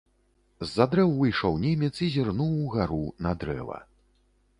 З-за дрэў выйшаў немец і зірнуў угару на дрэва.